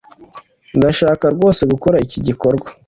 Ndashaka rwose gukora iki gikorwa